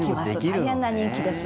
大変な人気です。